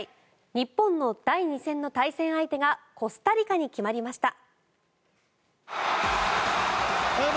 日本の第２戦の対戦相手がコスタリカに決まりました。